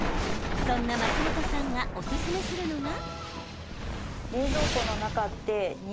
そんな松本さんがおすすめするのが。